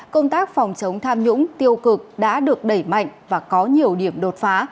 công tác phòng chống tham nhũng tiêu cực đã được đẩy mạnh và có nhiều điểm đột phá